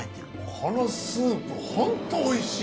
このスープホントおいしい。